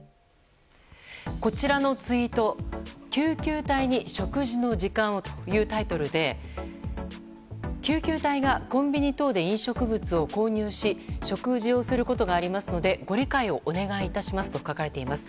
こちらのツイート「救急隊に食事の時間を」というタイトルで、救急隊がコンビニ等で飲食物を購入し食事をすることがありますのでご理解をお願い致しますと書かれています。